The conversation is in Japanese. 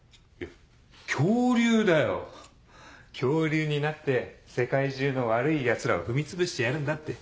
恐竜だよ恐竜になって世界中の悪いヤツらを踏みつぶしてやるんだって。